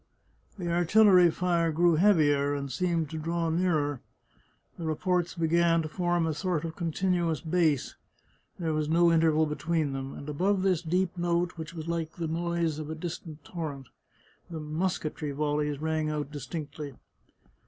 The artillery fire grew heavier, and seemed to draw nearer. The reports began to form a sort of con tinuous bass, there was no interval between them, and above this deep note, which was like the noise of a distant torrent, the musketry volleys rang out distinctly.